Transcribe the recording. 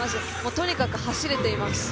とにかく走れています。